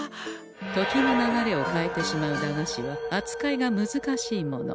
時の流れを変えてしまう駄菓子はあつかいが難しいもの。